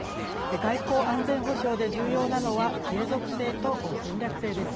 外交・安全保障で重要なのは継続性と戦略性です。